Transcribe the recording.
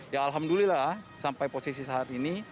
ya alhamdulillah sampai posisi saat ini